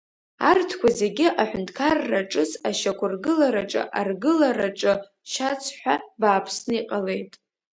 Арҭқәа зегьы аҳәынҭқарра ҿыц ашьақәыргылараҿы, аргылараҿы шьацҳәа бааԥсны иҟалеит.